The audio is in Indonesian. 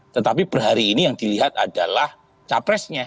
tetapi perhari ini yang dilihat adalah capresnya